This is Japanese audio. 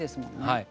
はい。